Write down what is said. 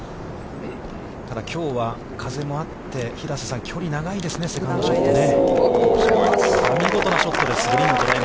ただ、きょうは風もあって、平瀬さん、距離が長いですね、セカンドショットね。